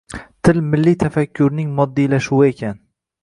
Til milliy tafakkurning moddiylashuvi ekan